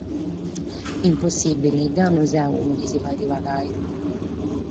Impossìbile, deo non so unu chi si faghet pagare.